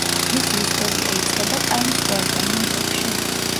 მისი ისტორია იწყება ტაიმს სკვერზე, ნიუ-იორკში.